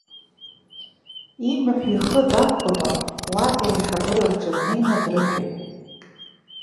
Имаҳә ихы дархәаны, уатәи аиҳабыра рҿы днеины дрыҳәеит.